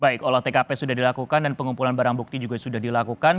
baik olah tkp sudah dilakukan dan pengumpulan barang bukti juga sudah dilakukan